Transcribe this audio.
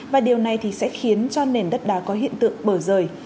và điều này thì sẽ khiến cho nền đất đá có hiện tượng bở rời